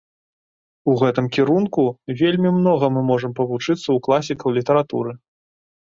У гэтым кірунку вельмі многа мы можам павучыцца ў класікаў літаратуры.